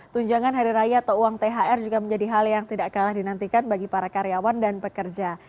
tunjangan hari raya atau uang thr juga menjadi hal yang tidak kalah dinantikan bagi para karyawan dan pekerja